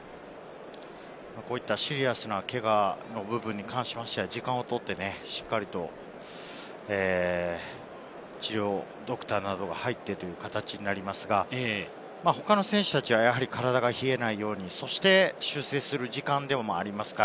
シリアスなけがの部分に関しては時間をとって、しっかりと治療、ドクターなどが入ってという形ですが、他の選手たちは体が冷えないように修正する時間でもあります。